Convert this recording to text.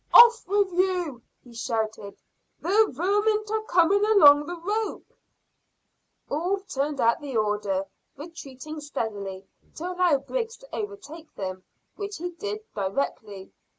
"Off with you," he shouted; "the varmint are coming along the rope!" All turned at the order, retreating steadily to allow Griggs to overtake them, which he did directly.